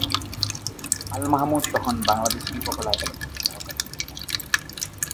আল মাহমুদ তখন বাংলাদেশ শিল্পকলা একাডেমির সহকারী পরিচালক।